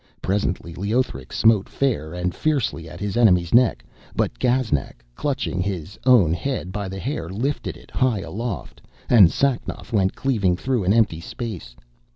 Presently Leothric smote fair and fiercely at his enemy's neck, but Gaznak, clutching his own head by the hair, lifted it high aloft, and Sacnoth went cleaving through an empty space.